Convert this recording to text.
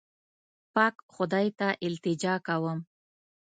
پاک خدای ته التجا کوم.